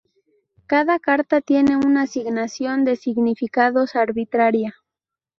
Cada carta tiene una asignación de significados arbitraria.